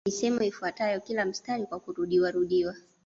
Misemo ifuatayo kila mstari kwa kurudiwarudiwa